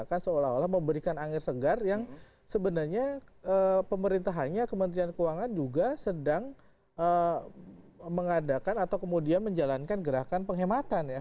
akan seolah olah memberikan angin segar yang sebenarnya pemerintahannya kementerian keuangan juga sedang mengadakan atau kemudian menjalankan gerakan penghematan ya